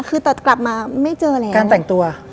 คือแต่กลับมาไม่เจอแล้วการแต่งตัว